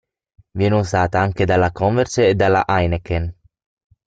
Viene usata anche dalla Converse e dalla Heineken.